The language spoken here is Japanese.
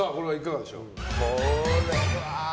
これは。